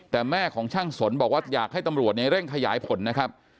แต่แม่ของช่างสนบอกว่าอยากให้ตำรวจเนี่ยเร่งขยายผลนะครับ